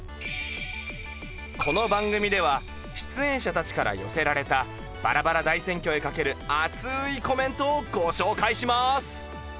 この番組では出演者たちから寄せられたバラバラ大選挙へかけるアツいコメントをご紹介します！